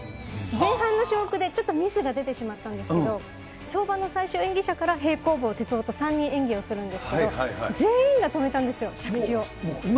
前半の種目で、ちょっとミスが出てしまったんですけど、跳馬の最終演技者から、平行棒、鉄棒と、３人演技をするんですけど、全員が止めたんですよ、着地を。